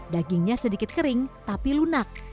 dagingnya sedikit kering tapi lunak